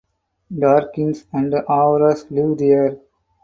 Dargins and Avars live there.